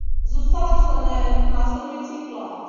Zůstala členem následujících vlád.